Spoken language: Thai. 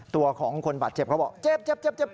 ตัวของคนบาดเจ็บเขาบอกเจ็บเจ็บ